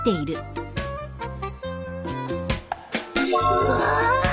うわ！